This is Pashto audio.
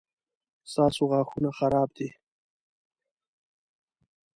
ستاسو غاښونه خراب دي